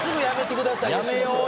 やめよう？